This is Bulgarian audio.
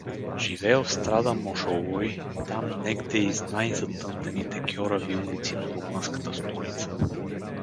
Живеел в страда „Мошолой“, там негде из най-затънтените кьорави улици на румънската столица.